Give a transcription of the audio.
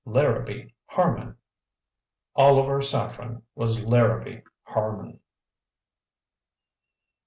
Larrabee Harman! "Oliver Saffren" was Larrabee Harman.